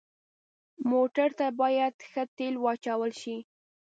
موټر ته باید ښه تیلو واچول شي.